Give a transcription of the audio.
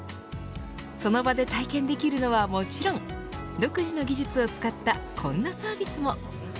その場で体験できるのはもちろん独自の技術を使ったこんなサービスも。